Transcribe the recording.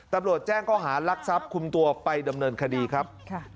ตำรวจแจ้งข้อหารักทรัพย์คุมตัวไปดำเนินคดีครับ